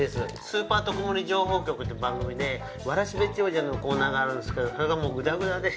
『スーパー特盛り情報局』って番組でわらしべ長者のコーナーがあるんですけどそれがもうグダグダで。